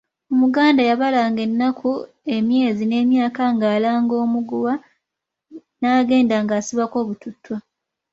Omuganda yabalanga ennaku, emyezi n'emyaka nga alanga omuguwa n’agenda ngasibako obututtwa.